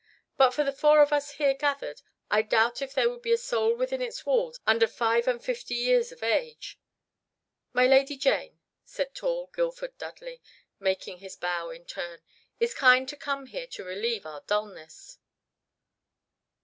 But for the four of us here gathered I doubt if there be a soul within its walls under five and fifty years of age." "My Lady Jane," said tall Guildford Dudley, making his bow in turn, "is kind to come here to relieve our dulness."